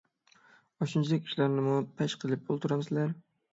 ئاشۇنچىلىك ئىشلارنىمۇ پەش قىلىپ ئولتۇرامسىلەر؟